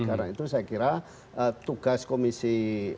karena itu saya kira tugas komisi lima